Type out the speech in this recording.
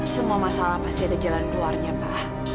semua masalah pasti ada jalan keluarnya pak